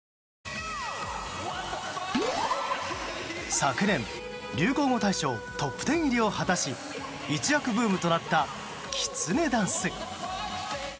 昨年、流行語大賞トップ１０入りを果たし一躍ブームとなったきつねダンス。